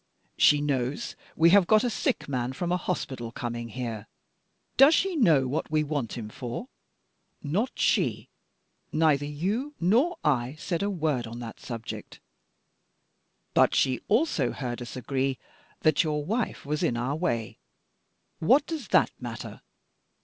She knows we have got a sick man from a hospital coming here does she know what we want him for? Not she! Neither you nor I said a word on that subject. But she also heard us agree that your wife was in our way. What does that matter?